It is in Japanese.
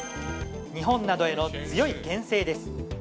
日本などへの強い牽制です。